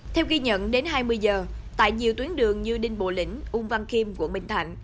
theo ghi nhận đến hai mươi giờ tại nhiều tuyến đường như đinh bộ lĩnh ung văn kim quận bình thạnh